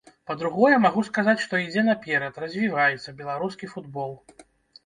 Па-другое, магу сказаць, што ідзе наперад, развіваецца беларускі футбол.